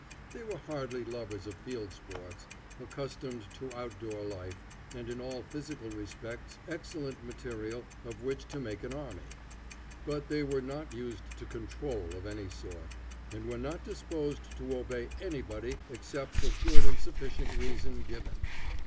They were hardy lovers of field sports, accustomed to out door life, and in all physical respects excellent material of which to make an army. But they were not used to control of any sort, and were not disposed to obey anybody except for good and sufficient reason given.